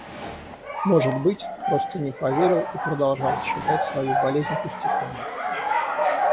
Может быть, просто не поверил и продолжал считать свою болезнь пустяками.